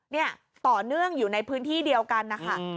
เนี่ยต่อเนื่องอยู่ในพื้นที่เดียวกันนะคะ